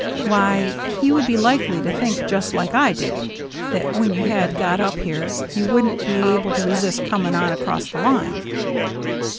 " Why, he would be likely to think just like I did, that when you had got up here you wouldn't be able to resist coming on across the line."